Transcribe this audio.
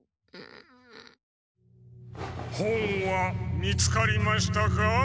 本は見つかりましたか？